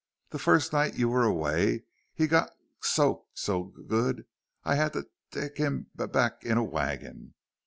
The first night you were away, he g got soaked g good. I had to t take him b back in a wagon.